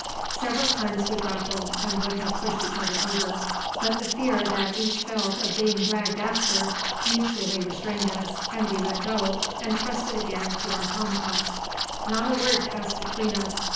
Several times we grappled, and would have pushed each other over; but the fear that each felt of being dragged after mutually restrained us, and we let go, and trusted again to our tomahawks. Not a word passed between us.